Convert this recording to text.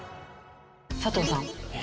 佐藤さん。